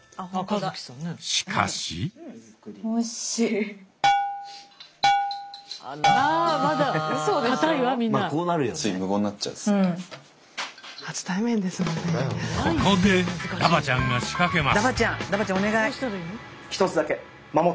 しかしここでダバちゃんが仕掛けます。